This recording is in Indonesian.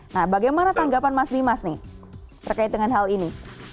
nah bagaimana tanggapan mas dimas nih terkait dengan hal ini